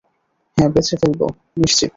হ্যাঁ, বেচে ফেলবে, নিশ্চিত।